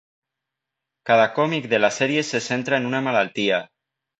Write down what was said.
Cada còmic de la sèrie se centra en una malaltia.